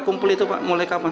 kumpul itu pak mulai kapan